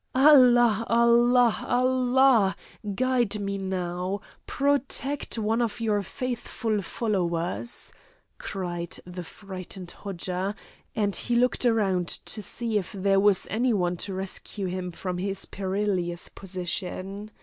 "Allah! Allah! Allah! Guide me now. Protect one of your faithful followers," cried the frightened Hodja, and he looked around to see if there was any one to rescue him from his perilous position.